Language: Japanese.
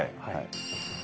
はい。